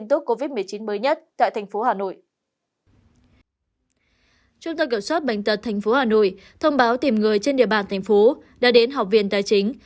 trung tâm kiểm soát bệnh tật tp hà nội thông báo tìm người trên địa bàn thành phố đã đến học viện tài chính